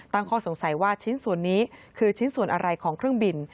ตั้งข้อสงสัยว่าชิ้นส่วนนี้คือชิ้นส่วนอะไรของเครื่องบิน